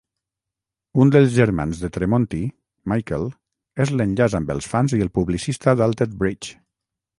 Un dels germans de Tremonti, Michael, és l'enllaç amb els fans i el publicista d'Alter Bridge.